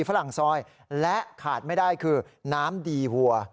ฝรั่งซอยและขาดไม่ได้คือน้ำดีหัว